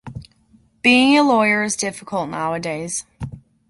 Being a layer is difficult nowadays.